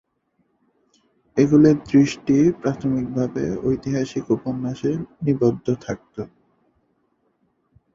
এগুলির দৃষ্টি প্রাথমিকভাবে ঐতিহাসিক উপন্যাসে নিবদ্ধ থাকত।